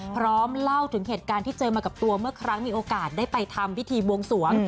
พร้อมเล่าถึงเหตุการณ์ที่เจอมากับตัวเมื่อครั้งมีโอกาสได้ไปทำพิธีบวงสวง